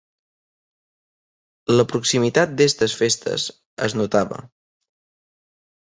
La proximitat d’estes festes es notava.